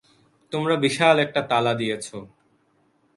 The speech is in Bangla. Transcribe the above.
তোমরা বিশাল একটা তালা দিয়েছ।